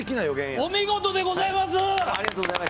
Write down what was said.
お見事でございます！